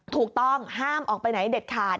ถูกต้องห้ามออกไปไหนเด็ดขาด